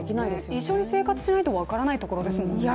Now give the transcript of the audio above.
一緒に生活しないと分からないところですもんね。